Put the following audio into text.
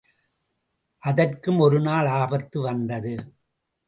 அதற்கும் ஒரு நாள் ஆபத்து வந்தது.